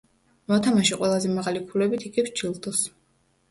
მოთამაშე ყველაზე მაღალი ქულებით იგებს ჯილდოს.